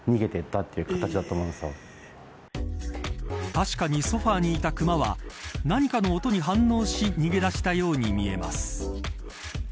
確かに、ソファにいたクマは何かの音に反応し逃げ出したように見えます。